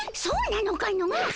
そうなのかの？